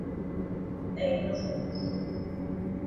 E inda o somos.